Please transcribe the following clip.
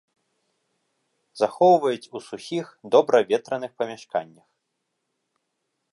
Захоўваюць у сухіх, добра ветраных памяшканнях.